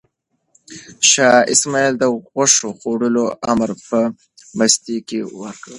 شاه اسماعیل د غوښو خوړلو امر په مستۍ کې ورکړ.